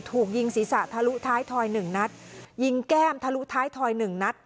ถูกยิงศีรษะทะลุท้ายทอยหนึ่งนัดยิงแก้มทะลุท้ายทอยหนึ่งนัด